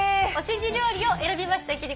「おせち料理」を選びました